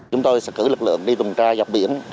chúng tôi sẽ cử lực lượng đi tuần tra dọc biển